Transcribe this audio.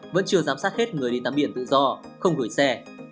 vẫn chưa giám sát hết người đi tắm biển tự do không gửi xe